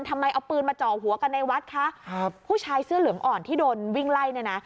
ทำไมเอาปืนมาจ่อหัวกันในวัดคะครับผู้ชายเสื้อเหลืองอ่อนที่โดนวิ่งไล่เนี่ยนะ